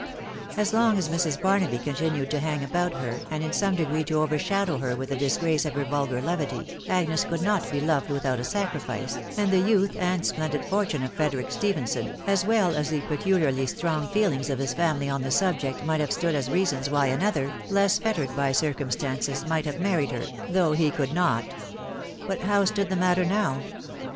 As long as Mrs. Barnaby continued to hang about her, and in some degree to overshadow her with the disgrace of her vulgar levity, Agnes could not be loved without a sacrifice, and the youth and splendid fortune of Frederic Stephenson, as well as the peculiarly strong feelings of his family on the subject, might have stood as reasons why another, less fettered by circumstances, might have married her, though he could not. But how stood the matter now